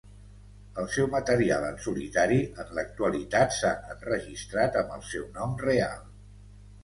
El seu material en solitari en l'actualitat s'ha enregistrat amb el seu nom real.